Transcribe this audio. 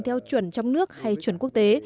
theo chuẩn trong nước hay chuẩn quốc tế